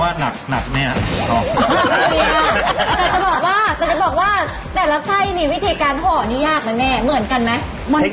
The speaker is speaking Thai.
แต่ละไส้มันงานยากไม๊